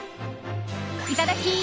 いただき！